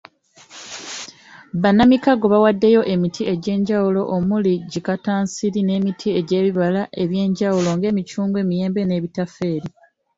Bannamikago bawaddeyo emiti egy'enjawulo omuli; gikattansiri n'emiti gy'ebibala ebyenjawulo ng'emicungwa, emiyembe n'ebitafeeri.